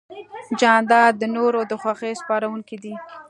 جانداد د نورو د خوښۍ سپارونکی دی.